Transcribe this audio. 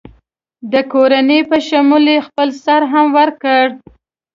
د کورنۍ په شمول یې خپل سر هم ورکړ.